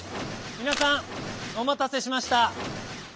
みなさんおまたせしました。